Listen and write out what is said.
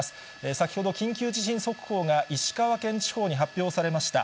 先ほど緊急地震速報が石川県地方に発表されました。